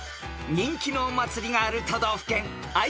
人気のお祭りがある都道府県